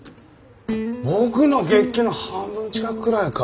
僕の月給の半分近くくらいか。